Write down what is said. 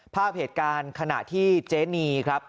ภาพเหตุการณ์ขณะที่เจนีครับ